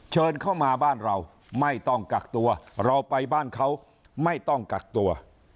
เชิญเข้ามาบ้านเราไม่ต้องกักตัวเราไปบ้านเขาไม่ต้องกักตัว